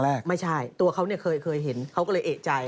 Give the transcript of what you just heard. พี่รถตู้ไม่ใช่ตัวเขาเนี่ยเคยเห็นเขาก็เลยเอเจน